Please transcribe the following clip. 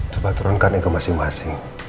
sebaturankan ego masing masing